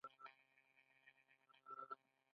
ژمي کې دلته واوره ورېده